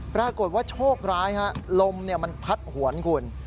ปรากฏว่าโชคร้ายลมมันพัดหวนคุณ